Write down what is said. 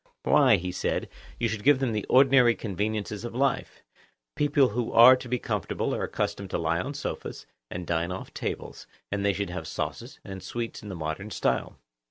Why, he said, you should give them the ordinary conveniences of life. People who are to be comfortable are accustomed to lie on sofas, and dine off tables, and they should have sauces and sweets in the modern style.